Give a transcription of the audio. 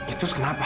eh terus kenapa